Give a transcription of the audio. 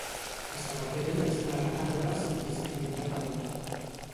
A Sabadell es talen arbres indiscriminadament.